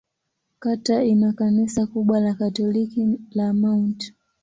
Kata ina kanisa kubwa la Katoliki la Mt.